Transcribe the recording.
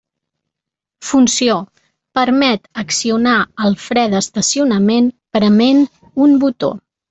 Funció: permet accionar el fre d'estacionament prement un botó.